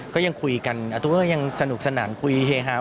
ก็ยังคุยกันอาตุ๊กก็ยังสนุกสนานคุยเฮฮา